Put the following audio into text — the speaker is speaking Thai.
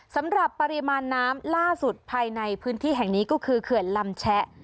สำหรับปริมาณน้ำล่าสุดภายในพื้นที่แห่งนี้ก็คือเขื่อนลำแชะ